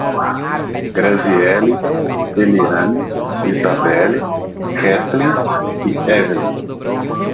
Grazieli, Keliane, Izabele, Ketlen e Evilin